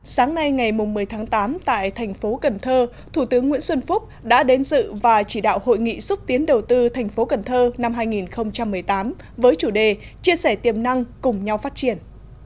sáng nay ngày một mươi tháng tám tại thành phố cần thơ thủ tướng nguyễn xuân phúc đã đến dự và chỉ đạo hội nghị xúc tiến đầu tư thành phố cần thơ năm hai nghìn một mươi tám với chủ đề chia sẻ tiềm năng cùng nhau phát triển